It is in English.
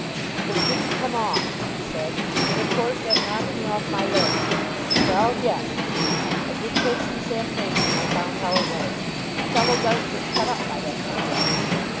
"It didn't come off," he said, "and of course that knocked me off my legs. Well; yes. I did take some champagne when I found how it was. A fellow does get cut up by that kind of thing.